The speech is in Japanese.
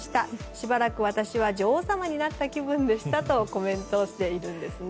しばらく私は女王様になった気分でしたとコメントしているんですね。